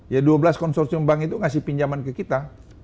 ya dua belas konsorsium bank itu ngasih pinjaman ke kita